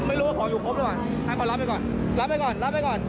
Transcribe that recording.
ไม่รู้ว่าขออยู่ครบหรือเปล่าให้เขารับไปก่อนรับไปก่อนรับไปก่อน